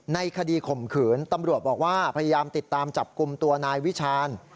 ในคดีข่มขืนตำรวจบอกว่าพยายามติดตามจับกลุ่มตัวนายวิชาญ